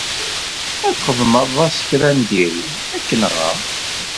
Ma txedmeḍ-as kra n diri, ad k-nɣeɣ.